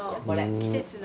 季節の。